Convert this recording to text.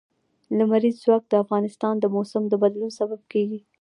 لمریز ځواک د افغانستان د موسم د بدلون سبب کېږي.